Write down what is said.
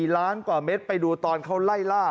ล้านกว่าเม็ดไปดูตอนเขาไล่ล่า